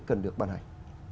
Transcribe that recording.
cần được bàn hành